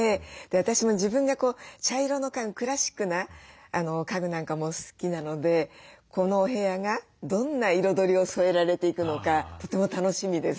私も自分が茶色の家具クラシックな家具なんかも好きなのでこのお部屋がどんな彩りを添えられていくのかとても楽しみです。